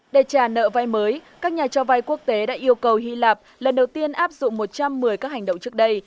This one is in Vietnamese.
để trả nợ vay mới các nhà cho vay quốc tế đã yêu cầu hy lạp lần đầu tiên áp dụng một trăm một mươi các hành động trước đây